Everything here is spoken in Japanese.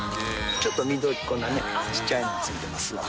ちょっと緑こんなねちっちゃいの付いてますわ。